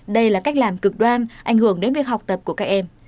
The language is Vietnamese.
đây là cách làm cực đoan ảnh hưởng đến việc học tập của các em